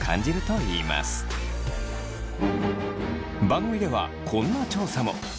番組ではこんな調査も。